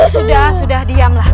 sudah sudah diamlah